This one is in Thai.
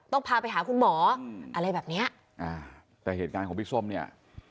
พาไปหาคุณหมออะไรแบบเนี้ยอ่าแต่เหตุการณ์ของพี่ส้มเนี่ย